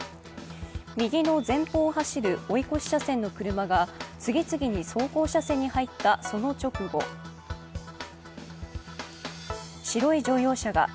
右の前方を走る追い越し車線の車が次々に走行車線に入ったその直後、白い乗用車が。